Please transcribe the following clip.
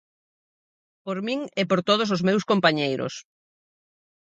Por min e por todos os meus compañeiros.